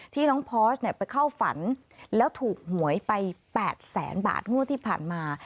ที่น้องพอสไปเข้าฝันแล้วถูกหวยไป๘แสนบาทงวดที่ผ่านมา